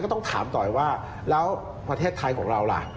ก็ต้องถามต่อไปว่าแล้วประเทศไทยของเรา